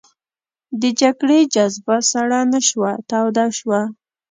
د جګړې جذبه سړه نه شوه توده شوه.